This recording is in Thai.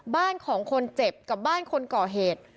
บ้านของคนเจ็บกับบ้านคนก่อเหตุ